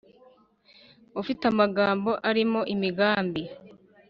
ufite amagambo arimo imigambi